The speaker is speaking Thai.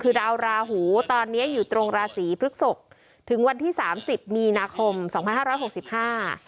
คือดาวราหูตอนเนี้ยอยู่ตรงราศีพฤกษกถึงวันที่สามสิบมีนาคมสองพันห้าร้อยหกสิบห้า